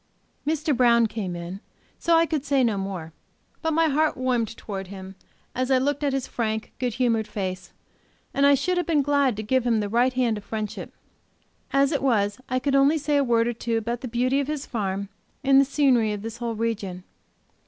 Mr. Brown came in, so I could say no more. But my heart warmed towards him, as I looked at his frank good humored face, and I should have been glad to give him the right hand of fellowship, As it was I could only say a word or two about the beauty of his farm, and the scenery of this whole region.